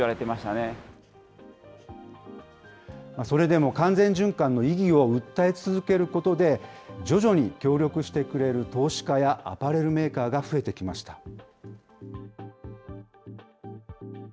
それでも完全循環の意義を訴え続けることで、徐々に協力してくれる投資家やアパレルメーカーが増えてきました。